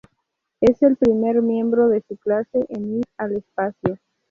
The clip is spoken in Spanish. Es el primer miembro de su clase en ir al espacio.